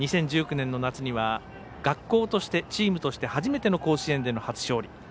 ２０１９年の夏には学校としてチームとして初めての甲子園での初勝利。